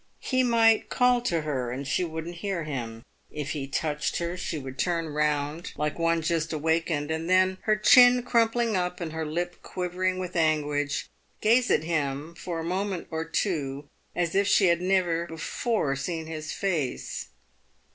He might call to her, and she wouldn't hear him. If he touched her, she would turn round, like one just awakened, and then, her chin crumpling up and her lip quivering with anguish, gaze at him for a moment or two as if she had never before seen his face.